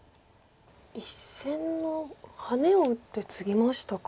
１線のハネを打ってツギましたか。